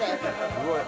すごい。